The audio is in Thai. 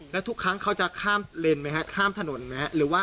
แล้วทุกครั้งเขาจะข้ามเลนไหมฮะข้ามถนนไหม